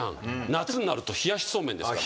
夏になると冷やしそうめんですから。